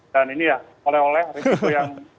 dan ini ya oleh oleh risiko yang sangat tinggi